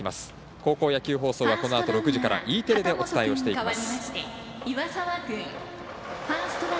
高校野球放送はこのあと６時からＥテレでお伝えをしていきます。